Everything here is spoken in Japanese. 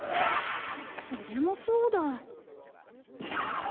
それもそうだ。